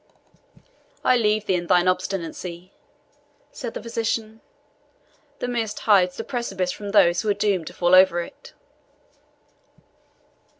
"I leave thee in thine obstinacy," said the physician; "the mist hides the precipice from those who are doomed to fall over it."